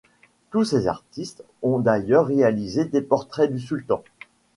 Tous ces artistes ont d'ailleurs réalisé des portraits du sultan.